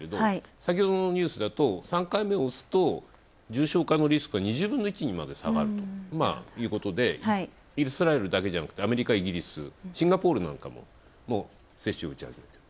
先ほどのニュースだと３回目を打つと重症化のリスクが２０分の１にまで下がるということでイスラエルだけじゃなくて、アメリカ、イギリスシンガポールなんかも、接種してる。